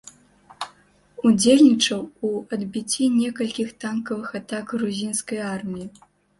Удзельнічаў у адбіцці некалькіх танкавых атак грузінскай арміі.